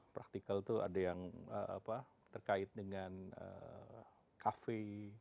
praktikal itu ada yang terkait dengan kafe